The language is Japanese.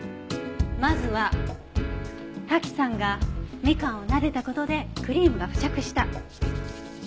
まずは滝さんがみかんをなでた事でクリームが付着した。